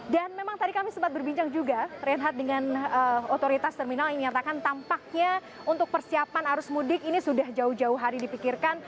dan memang tadi kami sempat berbincang juga reinhard dengan otoritas terminal yang menyatakan tampaknya untuk persiapan arus mudik ini sudah jauh jauh hari dipikirkan